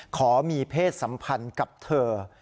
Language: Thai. ขอมีเพศสัมพันธ์กับเธอ